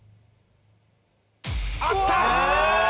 あった！